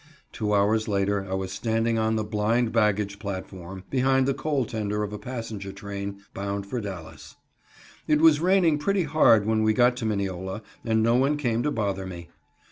Two hours later I was standing on the "blind baggage" platform, behind the coal tender of a passenger train bound for Dallas. It was raining pretty hard when we got to Mineola, and no one came to bother me.